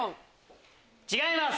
違います！